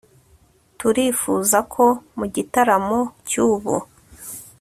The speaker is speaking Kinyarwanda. turifuzako mu gitaramo cy'ubu